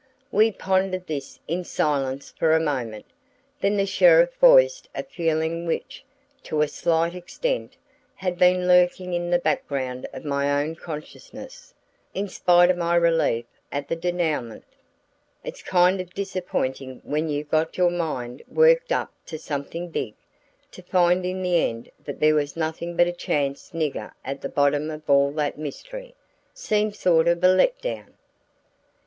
We pondered this in silence for a moment, then the sheriff voiced a feeling which, to a slight extent, had been lurking in the background of my own consciousness, in spite of my relief at the dénouement. "It's kind of disappointing when you've got your mind worked up to something big, to find in the end that there was nothing but a chance nigger at the bottom of all that mystery. Seems sort of a let down."